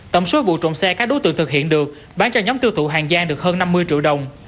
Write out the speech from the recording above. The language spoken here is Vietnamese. tổng số vụ trộm xe các đối tượng thực hiện được bán cho nhóm tiêu thụ hàng gian được hơn năm mươi triệu đồng